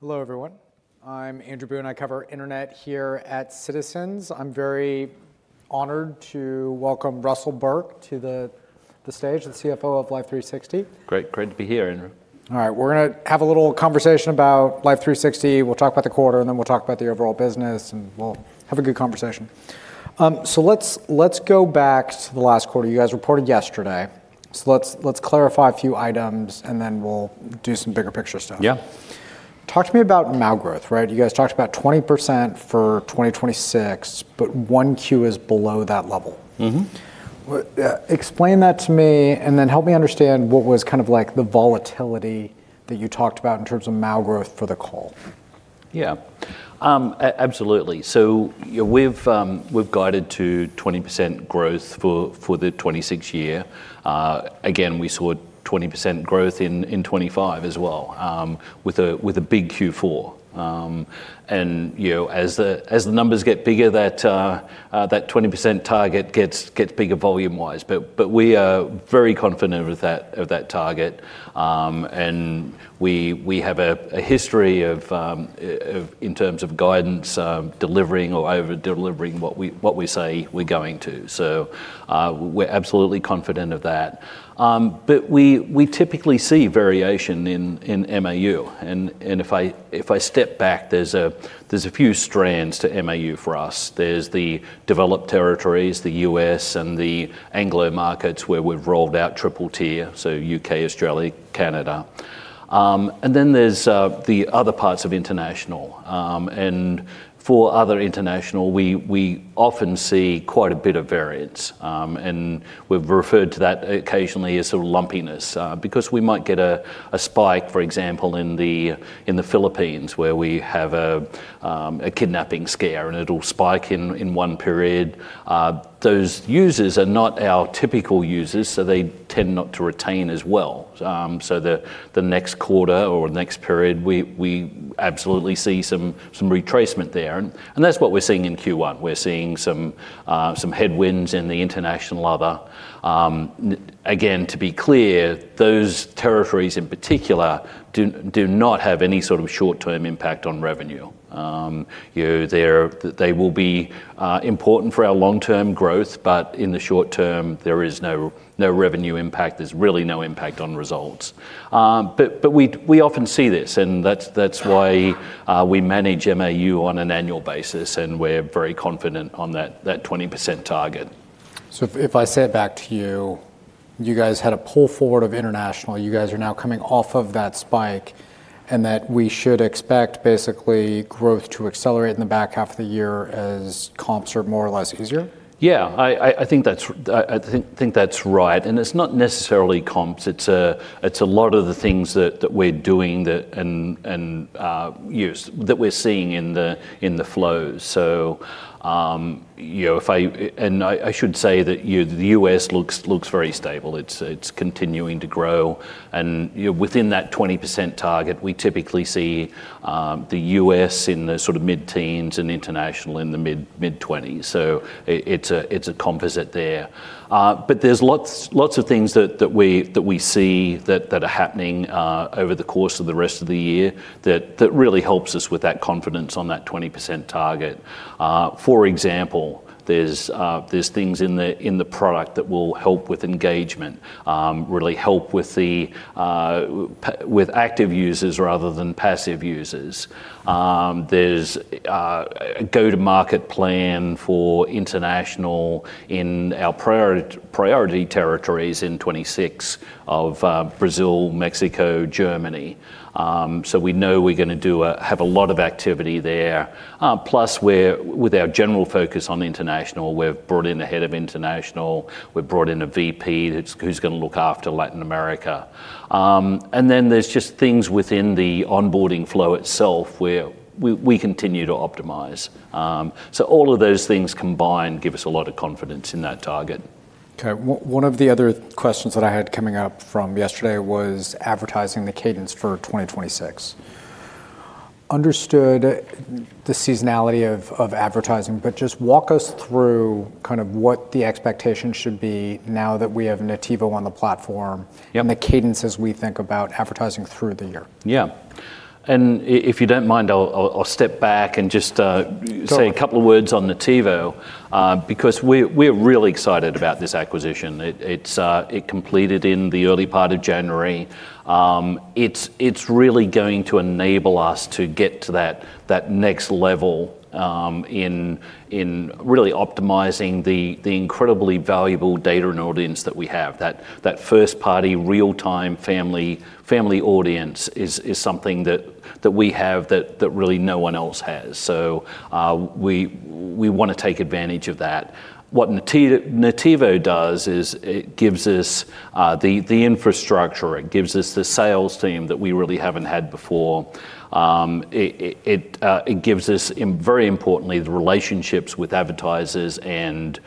Hello, everyone. I'm Andrew Boone. I cover internet here at Citizens. I'm very honored to welcome Russell Burke to the stage, the CFO of Life360. Great. Great to be here, Andrew. All right, we're gonna have a little conversation about Life360. We'll talk about the quarter, and then we'll talk about the overall business, and we'll have a good conversation. Let's go back to the last quarter. You guys reported yesterday. Let's clarify a few items and then we'll do some bigger picture stuff. Yeah. Talk to me about MAU growth, right? You guys talked about 20% for 2026, but Q1 is below that level. Mm-hmm. Explain that to me, then help me understand what was kind of like the volatility that you talked about in terms of MAU growth for the call? Absolutely. You know, we've guided to 20% growth for the 2026 year. Again, we saw 20% growth in 2025 as well, with a big Q4. You know, as the numbers get bigger, that 20% target gets bigger volume-wise. We are very confident of that target. We have a history of in terms of guidance, delivering or over-delivering what we say we're going to. We're absolutely confident of that. We typically see variation in MAU. If I step back, there's a few strands to MAU for us. There're the developed territories, the U.S. and the Anglo markets where we've rolled out triple-tier membership, so U.K., Australia, Canada. There're the other parts of international. For other international, we often see quite a bit of variance. We've referred to that occasionally as sort of lumpiness, because we might get a spike, for example, in the Philippines, where we have a kidnapping scare, and it'll spike in one period. Those users are not our typical users, so they tend not to retain as well. The next quarter or next period, we absolutely see some retracement there and that's what we're seeing in Q1. We're seeing some headwinds in the international other. Again, to be clear, those territories in particular do not have any sort of short-term impact on revenue. you know, they will be important for our long-term growth, but in the short term, there is no revenue impact. There's really no impact on results. We often see this, and that's why we manage MAU on an annual basis, and we're very confident on that 20% target. If I say it back to you guys had a pull forward of international. You guys are now coming off of that spike, and that we should expect basically growth to accelerate in the back half of the year as comps are more or less easier? Yeah, I think that's right, and it's not necessarily comps. It's a lot of the things that we're doing that and, yes, that we're seeing in the flows. You know, if I should say that the U.S. looks very stable. It's continuing to grow, and, you know, within that 20% target, we typically see the U.S. in the sort of mid-teens and international in the mid-20s. It's a composite there. There's lots of things that we see that are happening over the course of the rest of the year that really helps us with that confidence on that 20% target. For example, there's things in the product that will help with engagement, really help with active users rather than passive users. There's a go-to-market plan for international in our priority territories in 2026 of Brazil, Mexico, Germany. We know we're gonna have a lot of activity there. Plus with our general focus on international, we've brought in the head of international, we've brought in a VP who's gonna look after Latin America. There's just things within the onboarding flow itself where we continue to optimize. All of those things combined give us a lot of confidence in that target. Okay. One of the other questions that I had coming up from yesterday was advertising the cadence for 2026. Understood the seasonality of advertising, just walk us through kind of what the expectation should be now that we have Nativo on the platform? Yeah... and the cadence as we think about advertising through the year. Yeah. And if you don't mind, I'll step back and just. Go... say a couple of words on Nativo, because we're really excited about this acquisition. It completed in the early part of January. It's really going to enable us to get to that next level in really optimizing the incredibly valuable data and audience that we have. That first party, real-time family audience is something that we have that really no one else has. We wanna take advantage of that. What Nativo does is it gives us the infrastructure, it gives us the sales team that we really haven't had before. It gives us, and very importantly, the relationships with advertisers and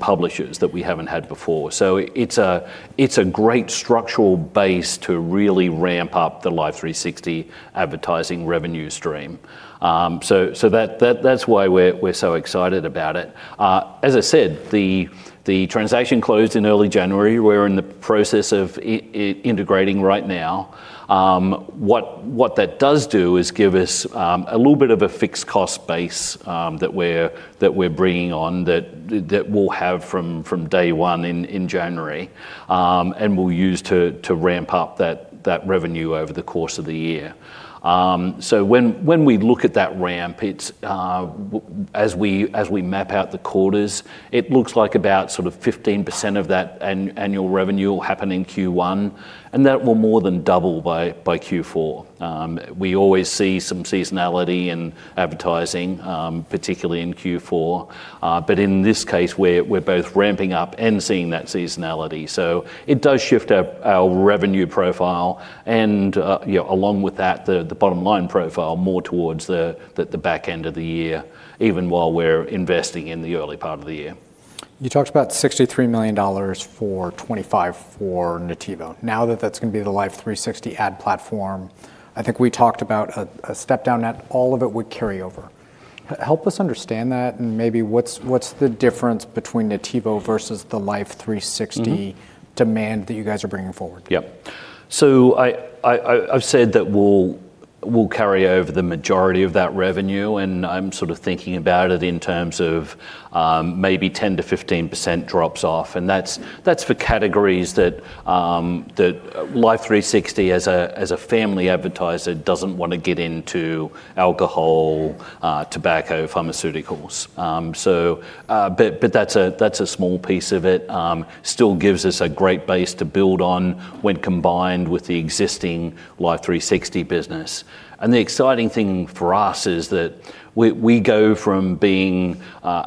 publishers that we haven't had before. It's a great structural base to really ramp up the Life360 advertising revenue stream. That's why we're so excited about it. As I said, the transaction closed in early January. We're in the process of integrating right now. What that does do is give us a little bit of a fixed cost base that we're bringing on that we'll have from day one in January, and we'll use to ramp up that revenue over the course of the year. When we look at that ramp, it's as we map out the quarters, it looks like about sort of 15% of that annual revenue will happen in Q1, and that will more than double by Q4. We always see some seasonality in advertising, particularly in Q4, but in this case, we're both ramping up and seeing that seasonality. It does shift our revenue profile and, you know, along with that, the bottom-line profile more towards the back end of the year, even while we're investing in the early part of the year. You talked about $63 million for 2025 for Nativo. Now that that's gonna be the Life360 ad platform, I think we talked about a step down, that all of it would carry over. Help us understand that, and maybe what's the difference between Nativo versus the Life360- Mm-hmm demand that you guys are bringing forward? Yep. I've said that we'll carry over the majority of that revenue, and I'm sort of thinking about it in terms of, maybe 10%-15% drops off, that's for categories that Life360 as a family advertiser doesn't wanna get into alcohol, tobacco, pharmaceuticals. But that's a small piece of it. Still gives us a great base to build on when combined with the existing Life360 business. The exciting thing for us is that we go from being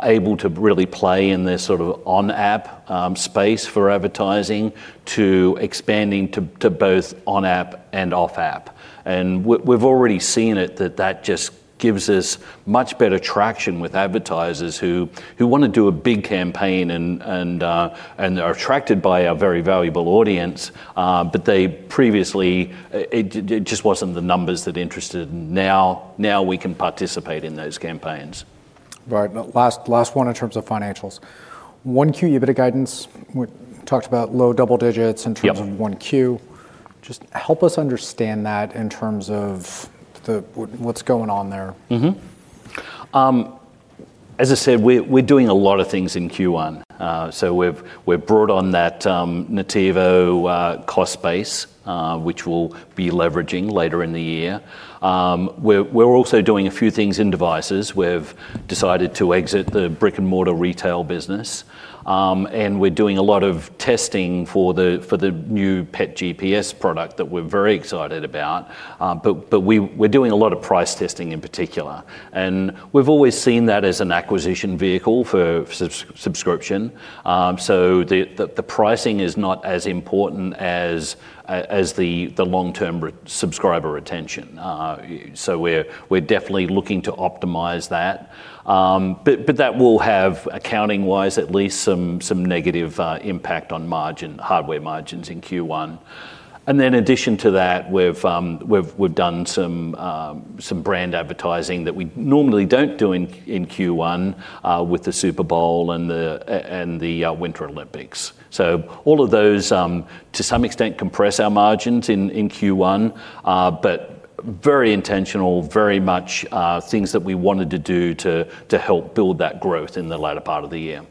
able to really play in this sort of on-app space for advertising to expanding to both on-app and off-app. We've already seen it, that that just gives us much better traction with advertisers who wanna do a big campaign and are attracted by our very valuable audience, but they previously, it just wasn't the numbers they're interested in. Now we can participate in those campaigns. Right. Now last one in terms of financials. Q1 EBITDA guidance, we talked about low-double digits. Yep... Q1. Just help us understand that in terms of what's going on there? As I said, we're doing a lot of things in Q1. So, we've brought on that Nativo cost base, which we'll be leveraging later in the year. We're also doing a few things in devices. We've decided to exit the brick-and-mortar retail business. And we're doing a lot of testing for the new Pet GPS product that we're very excited about. But we're doing a lot of price testing in particular. We've always seen that as an acquisition vehicle for subscription, so the pricing is not as important as the long-term subscriber retention. So we're definitely looking to optimize that. But that will have, accounting-wise, at least some negative impact on margin, hardware margins in Q1. In addition to that, we've done some brand advertising that we normally don't do in Q1, with the Super Bowl and the Winter Olympics. All of those, to some extent compress our margins in Q1, but very intentional, very much things that we wanted to do to help build that growth in the latter part of the year.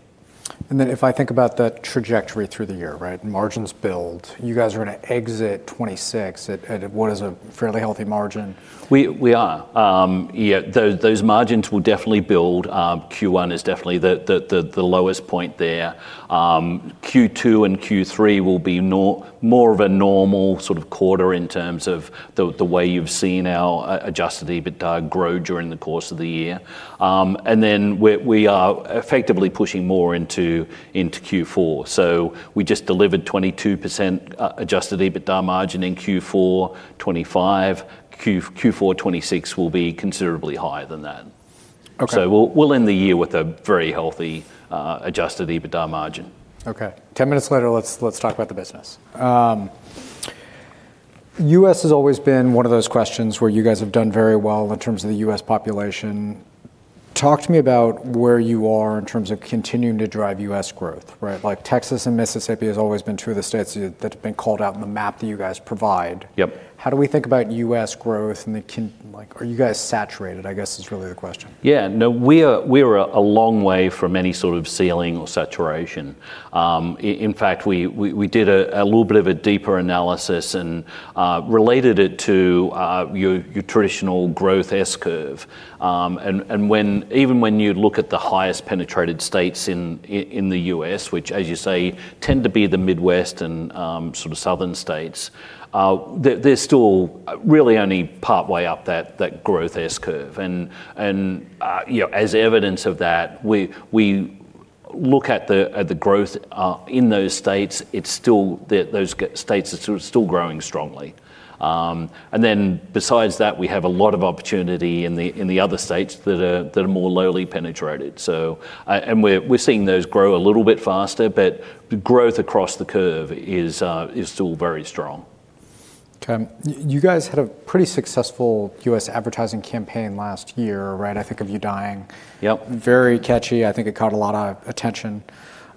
If I think about the trajectory through the year, right? Margins build. You guys are gonna exit 2026 at what is a fairly healthy margin. We are. Yeah, those margins will definitely build. Q1 is definitely the lowest point there. Q2 and Q3 will be more of a normal sort of quarter in terms of the way you've seen our Adjusted EBITDA grow during the course of the year. We are effectively pushing more into Q4. We just delivered 22% Adjusted EBITDA margin in Q4 2025. Q4 2026 will be considerably higher than that. Okay. We'll end the year with a very healthy, Adjusted EBITDA margin. Okay. 10 minutes later, let's talk about the business. U.S. has always been one of those questions where you guys have done very well in terms of the U.S. population. Talk to me about where you are in terms of continuing to drive U.S. growth, right? Like Texas and Mississippi has always been two of the states that have been called out on the map that you guys provide. Yep. How do we think about U.S. growth like are you guys saturated, I guess is really the question? Yeah, no, we are a long way from any sort of ceiling or saturation. In fact, we did a little bit of a deeper analysis and related it to your traditional growth S-curve. Even when you look at the highest penetrated states in the U.S., which as you say tend to be the Midwest and Southern states, they're still really only partway up that growth S-curve. You know, as evidence of that, we look at the growth in those states, it's still, those states are sort of still growing strongly. Besides that, we have a lot of opportunity in the other states that are more lowly penetrated. And we're seeing those grow a little bit faster, but the growth across the curve is still very strong. Okay. You guys had a pretty successful U.S. advertising campaign last year, right? I Think of You Dying. Yep. Very catchy. I think it caught a lot of attention.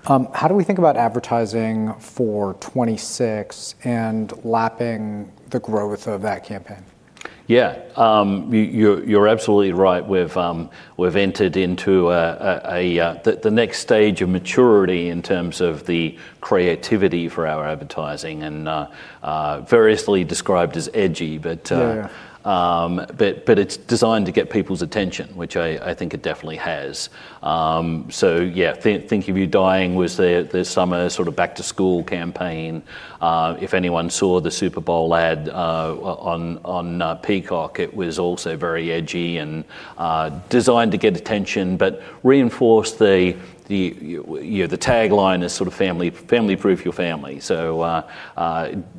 How do we think about advertising for 2026 and lapping the growth of that campaign? Yeah. You're absolutely right. We've entered into the next stage of maturity in terms of the creativity for our advertising, and variously described as edgy. Yeah But it's designed to get people's attention, which I think it definitely has. Yeah, I Think of You Dying was the summer sort of back-to-school campaign. If anyone saw the Super Bowl ad on Peacock, it was also very edgy and designed to get attention, but reinforced the, you know, the tagline is sort of family proof your family.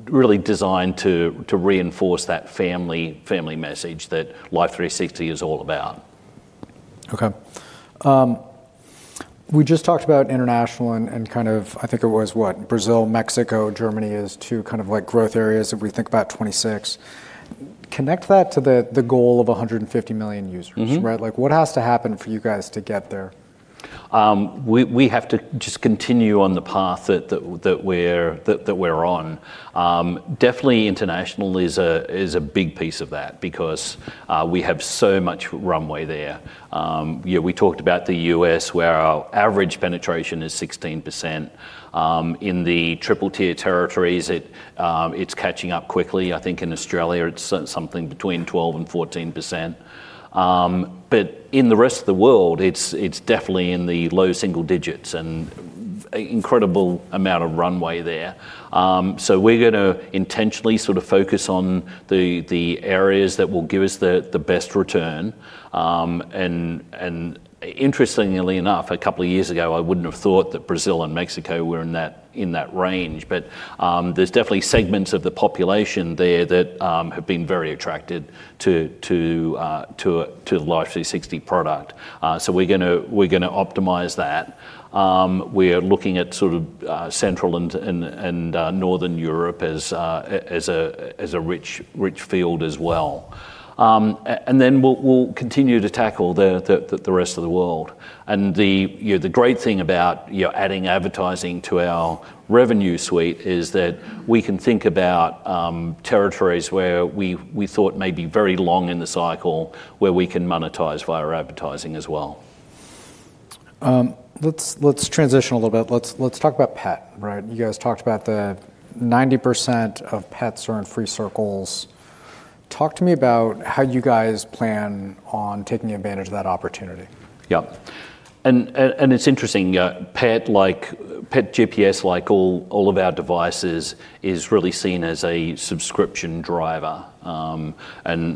Really designed to reinforce that family message that Life360 is all about. Okay. We just talked about international and kind of, I think it was, what? Brazil, Mexico, Germany as two kind of, like, growth areas if we think about 2026. Connect that to the goal of 150 million users. Mm-hmm right? Like, what has to happen for you guys to get there? We have to just continue on the path that we're on. Definitely international is a big piece of that because we have so much runway there. Yeah, we talked about the U.S., where our average penetration is 16%. In the triple-tier territories, it's catching up quickly. I think in Australia it's something between 12%-14%. In the rest of the world, it's definitely in the low single digits, and incredible amount of runway there. We're gonna intentionally sort of focus on the areas that will give us the best return. Interestingly enough, a couple of years ago, I wouldn't have thought that Brazil and Mexico were in that range. There's definitely segments of the population there that have been very attracted to the Life360 product. We're gonna optimize that. We're looking at sort of Central and Northern Europe as a rich field as well. And then we'll continue to tackle the rest of the world. The, you know, the great thing about, you know, adding advertising to our revenue suite is that we can think about territories where we thought may be very long in the cycle where we can monetize via advertising as well. Let's transition a little bit. Let's talk about Pet GPS, right? You guys talked about the 90% of pets are in Free Circles. Talk to me about how you guys' plan on taking advantage of that opportunity? Yeah. It's interesting. Pet GPS, like all of our devices, is really seen as a subscription driver. That's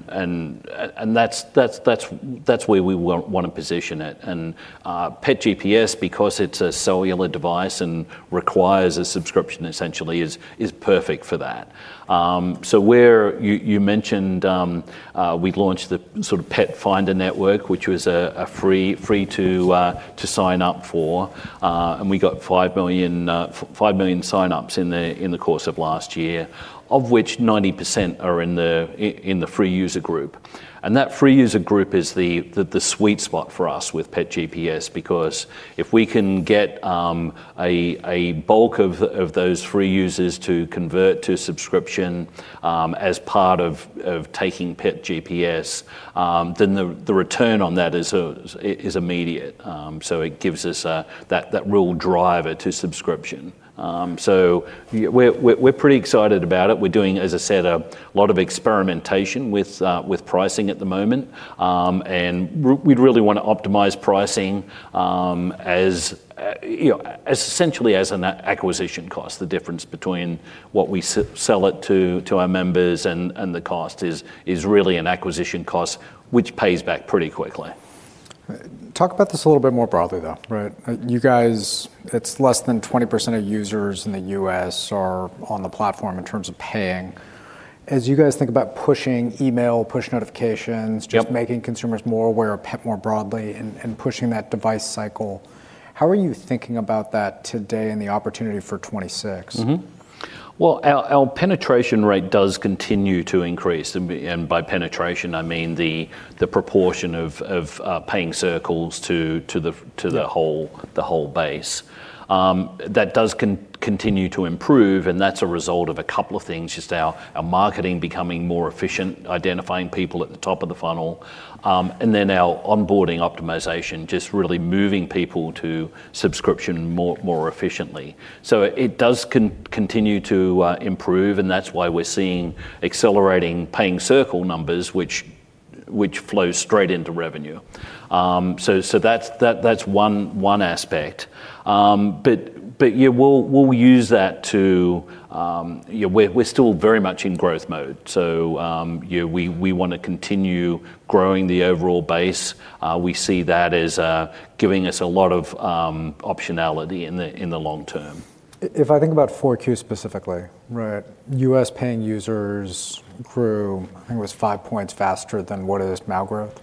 where we wanna position it. Pet GPS, because it's a cellular device and requires a subscription, essentially, is perfect for that. Where you mentioned, we'd launched the sort of Pet Finder Network, which was a free to sign up for, and we got 5 million signups in the course of last year, of which 90% are in the free user group, and that free user group is the sweet spot for us with Pet GPS because if we can get a bulk of those free users to convert to subscription, as part of taking Pet GPS, then the return on that is immediate. It gives us that real driver to subscription. We're pretty excited about it. We're doing, as I said, a lot of experimentation with pricing at the moment. We'd really wanna optimize pricing, you know, as essentially as an acquisition cost. The difference between what we sell it to our members and the cost is really an acquisition cost, which pays back pretty quickly. Talk about this a little bit more broadly, though, right? You guys, it's less than 20% of users in the U.S. are on the platform in terms of paying. As you guys think about pushing email, push notifications- Yep... just making consumers more aware of Pet GPS more broadly and pushing that device cycle, how are you thinking about that today and the opportunity for 2026? Well, our penetration rate does continue to increase, and by penetration, I mean the proportion of paying Circles to... Yeah... the whole base. That does continue to improve, and that's a result of a couple of things, just our marketing becoming more efficient, identifying people at the top of the funnel. And then our onboarding optimization, just really moving people to subscription more efficiently. It does continue to improve, and that's why we're seeing accelerating paying Circle numbers, which flows straight into revenue. That's one aspect. Yeah, we'll use that to. Yeah, we're still very much in growth mode. Yeah, we wanna continue growing the overall base. We see that as giving us a lot of optionality in the long term. I think about 4Q specifically, right, U.S. paying users grew, I think it was 5 points faster than what is now growth.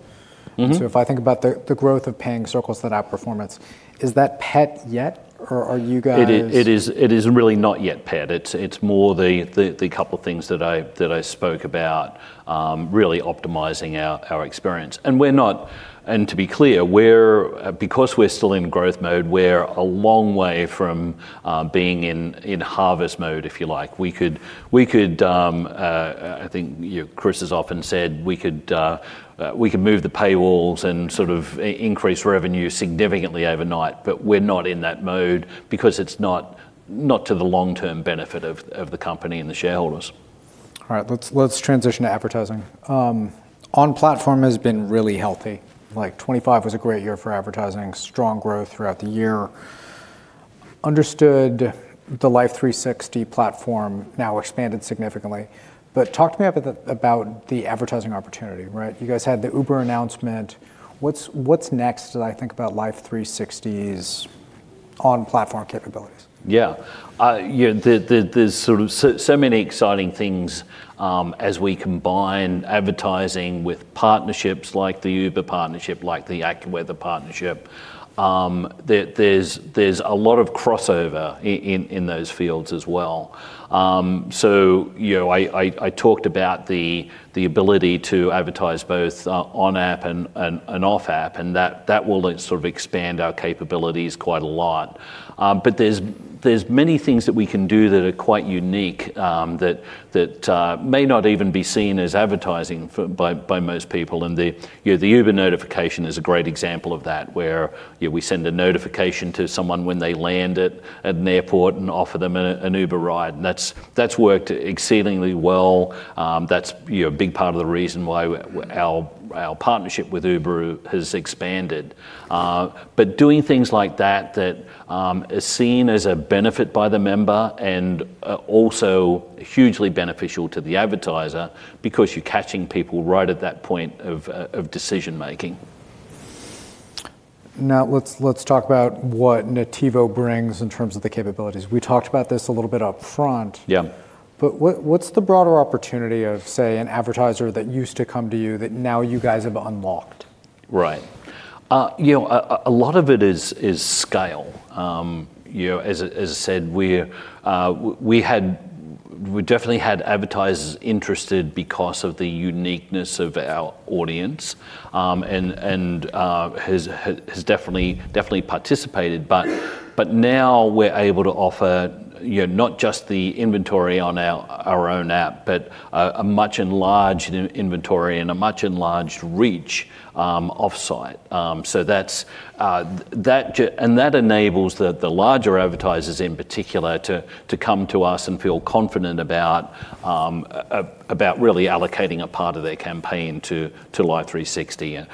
Mm-hmm. If I think about the growth of paying Circles that outperformance, is that Pet GPS yet? Or are you guys... It is really not yet Pet GPS. It's more the couple things that I spoke about, really optimizing our experience. We're not. To be clear, we're because we're still in growth mode, we're a long way from being in harvest mode, if you like. We could, I think, you know, Chris has often said we could move the paywalls and sort of increase revenue significantly overnight. We're not in that mode because it's not to the long-term benefit of the company and the shareholders. All right. Let's transition to advertising. On-platform has been really healthy. Like 2025 was a great year for advertising. Strong growth throughout the year. Understood the Life360 platform now expanded significantly. Talk to me about the advertising opportunity, right? You guys had the Uber announcement. What's next as I think about Life360's-On platform capabilities? Yeah. You know, there's sort of so many exciting things, as we combine advertising with partnerships like the Uber partnership, like the AccuWeather partnership, there's a lot of crossovers in those fields as well. You know, I talked about the ability to advertise both on-app and off-app, and that will then sort of expand our capabilities quite a lot. There're many things that we can do that are quite unique, that may not even be seen as advertising for by most people. The, you know, the Uber notification is a great example of that, where, you know, we send a notification to someone when they land at an airport and offer them an Uber ride, and that's worked exceedingly well. That's, you know, a big part of the reason why our partnership with Uber has expanded. But doing things like that is seen as a benefit by the member and also hugely beneficial to the advertiser because you're catching people right at that point of decision making. Let's talk about what Nativo brings in terms of the capabilities? We talked about this a little bit up front. Yeah. What's the broader opportunity of, say, an advertiser that used to come to you that now you guys have unlocked? Right. You know, a lot of it is scale. You know, as I said, we had, we definitely had advertisers interested because of the uniqueness of our audience, and has definitely participated, but now we're able to offer, you know, not just the inventory on our own app, but a much-enlarged inventory and a much-enlarged reach offsite. That enables the larger advertisers in particular to come to us and feel confident about really allocating a part of their campaign to Life360.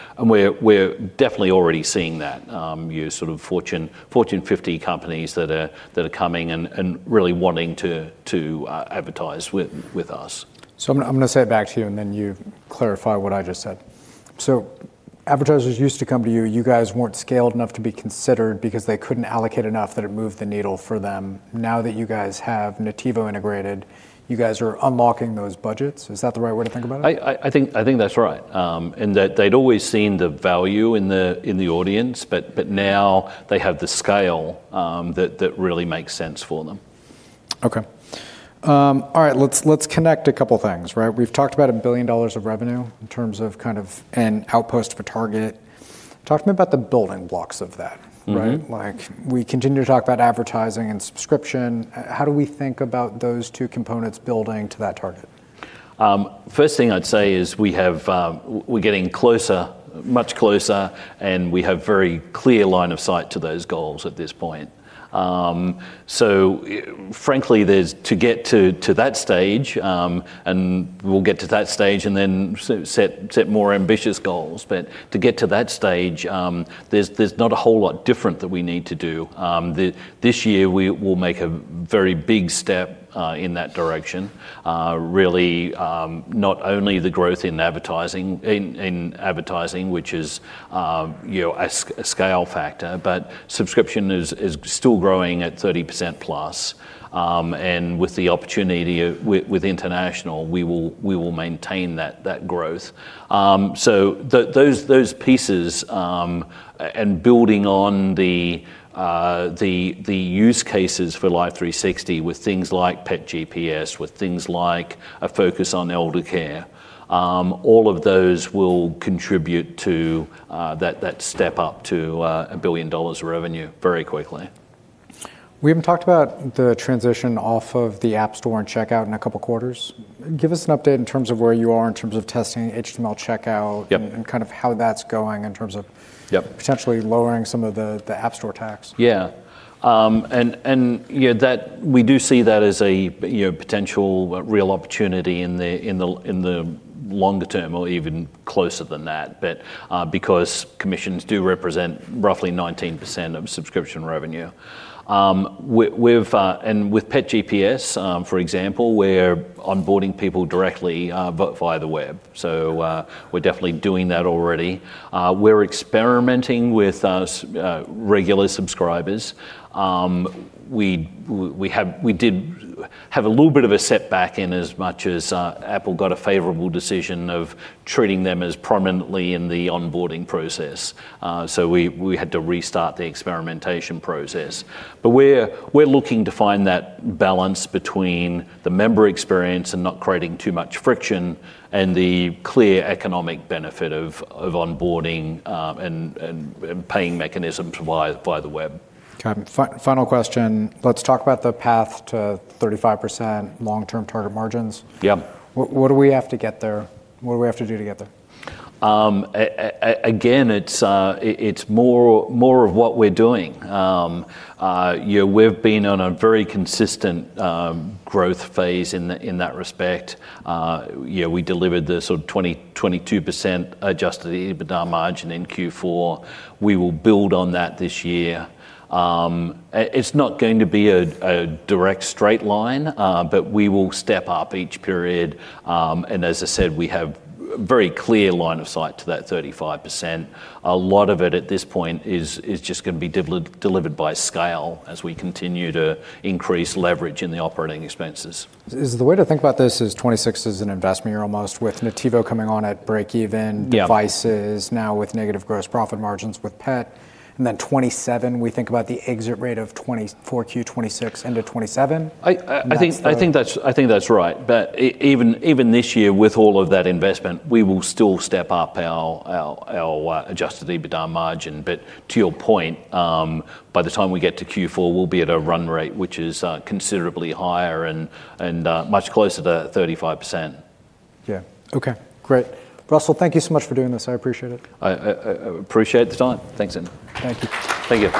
We're definitely already seeing that, you know, sort of Fortune 50 companies that are coming and really wanting to advertise with us. I'm gonna say it back to you and then you clarify what I just said. Advertisers used to come to you. You guys weren't scaled enough to be considered because they couldn't allocate enough that it moved the needle for them. Now that you guys have Nativo integrated, you guys are unlocking those budgets. Is that the right way to think about it? I think that's right. That they'd always seen the value in the audience, but now they have the scale, that really makes sense for them. Okay. All right. Let's connect a couple things, right? We've talked about $1 billion of revenue in terms of kind of an outpost of a target. Talk to me about the building blocks of that, right? Mm-hmm. Like, we continue to talk about advertising and subscription. How do we think about those two components building to that target? First thing I'd say is we have, we're getting closer, much closer, and we have very clear line of sight to those goals at this point. Frankly, there's to get to that stage, and we'll get to that stage and then set more ambitious goals, but to get to that stage, there's not a whole lot different that we need to do. This year we will make a very big step in that direction. Really, not only the growth in advertising, which is, you know, a scale factor, but subscription is still growing at 30%+. With the opportunity with international, we will maintain that growth. Those, those pieces and building on the, the use cases for Life360 with things like Pet GPS, with things like a focus on elder care, all of those will contribute to that step up to $1 billion of revenue very quickly. We haven't talked about the transition off of the App Store and checkout in a couple quarters. Give us an update in terms of where you are in terms of testing HTML checkout... Yep ...and kind of how that's going in terms of... Yep... potentially lowering some of the App Store tax? We do see that as a potential real opportunity in the longer term or even closer than that, because commissions do represent roughly 19% of subscription revenue. With Pet GPS, for example, we're onboarding people directly via the web. We're definitely doing that already. We're experimenting with regular subscribers. We did have a little bit of a setback in as much as Apple got a favorable decision of treating them as prominently in the onboarding process. We had to restart the experimentation process. We're looking to find that balance between the member experience and not creating too much friction and the clear economic benefit of onboarding and paying mechanisms via the web. Okay. Final question. Let's talk about the path to 35% long-term target margins. Yeah. What do we have to get there? What do we have to do to get there? Again, it's more of what we're doing. You know, we've been on a very consistent growth phase in that respect. You know, we delivered the sort of 20%, 22% Adjusted EBITDA margin in Q4. We will build on that this year. It's not going to be a direct straight line, but we will step up each period. As I said, we have very clear line of sight to that 35%. A lot of it at this point is just gonna be delivered by scale as we continue to increase leverage in the operating expenses. Is the way to think about this is 2026 is an investment year almost with Nativo coming on at breakeven... Yeah ...devices now with negative gross profit margins with Pet GPS. 2027 we think about the exit rate of 4Q 2026 into 2027? I think- that's. ...I think that's right. Even this year with all of that investment, we will still step up our Adjusted EBITDA margin. To your point, by the time we get to Q4, we'll be at a run rate, which is considerably higher and much closer to 35%. Yeah. Okay. Great. Russell, thank you so much for doing this. I appreciate it. I appreciate the time. Thanks, Andrew. Thank you. Thank you.